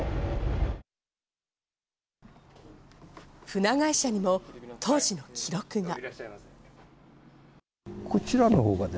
船会社にも当時の記録が。